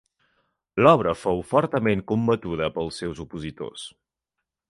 L'obra fou fortament combatuda pels seus opositors.